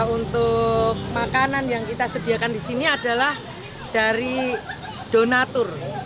untuk makanan yang kita sediakan di sini adalah dari donatur